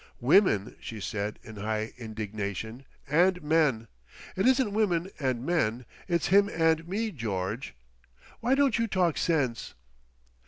"Women!" she said in high indignation, "and men! It isn't women and men—it's him and me, George! Why don't you talk sense?